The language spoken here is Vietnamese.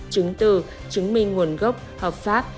chứng tư chứng minh nguồn gốc hợp pháp